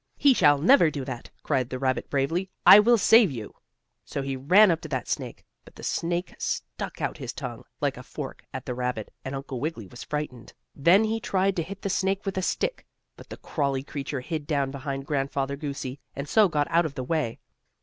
"He shall never do that!" cried the rabbit, bravely. "I will save you." So he ran up to that snake, but the snake stuck out his tongue, like a fork, at the rabbit, and Uncle Wiggily was frightened. Then he tried to hit the snake with a stick, but the crawly creature hid down behind Grandfather Goosey, and so got out of the way.